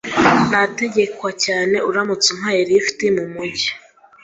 Nategekwa cyane uramutse umpaye lift mumujyi.